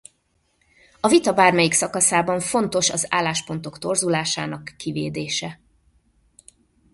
A vita bármelyik szakaszában fontos az álláspontok torzulásának kivédése.